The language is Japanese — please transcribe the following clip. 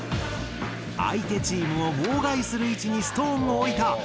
相手チームを妨害する位置にストーンを置いた。